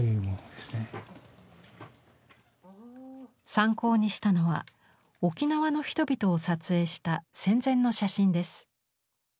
参考にしたのは沖縄の人々を撮影した戦前の写真です。